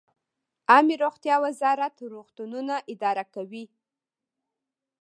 عامې روغتیا وزارت روغتونونه اداره کوي